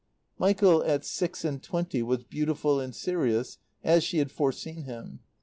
Michael at six and twenty was beautiful and serious as she had foreseen him.